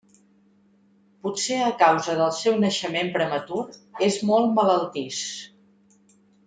Potser a causa del seu naixement prematur és molt malaltís.